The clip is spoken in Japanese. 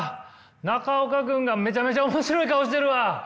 中岡君がめちゃめちゃ面白い顔してるわ。